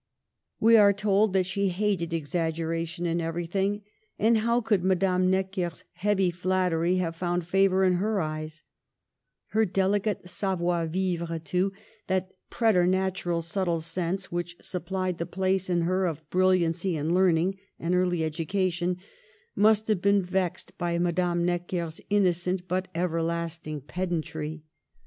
We are told that she hated exaggeration in everything; and how could Madame Necker's heavy flattery have found favor in her eyes ? Her delicate savoir vivre, too, that preternat urally subtle sense which supplied the place in her .of brilliancy and learning and early educa tion, must have been vexed at Madame Necker' s innocent but everlasting pedantry.